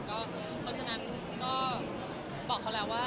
เพราะฉะนั้นก็บอกเขาแล้วว่า